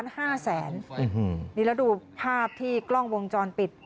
นี่แล้วดูภาพที่กล้องวงจรปิด